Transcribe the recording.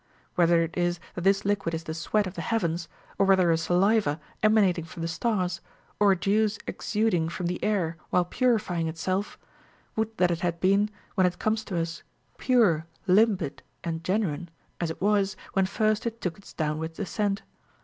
Whether it is that this liquid is the sweat of the heavens, or whether a saliva emanating from the stars, or a juice exuding from the air while purifying itself, would that it had been, when it comes to us, pure, limpid, and genuine, as it was, when first it took its downward descent.